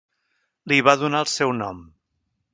Li va donar el seu nom.